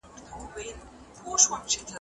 دستي مي ولیدلی.